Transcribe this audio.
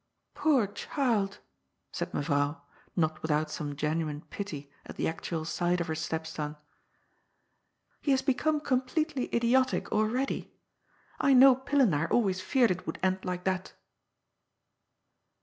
" Poor child !" said Mevrouw, not without some genuine pity at the actual sight of her stepson. ^' He has become completely idiotic already. I know Pillenaar always feared it would end like that."